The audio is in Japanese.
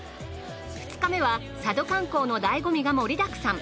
２日目は佐渡観光の醍醐味が盛りだくさん。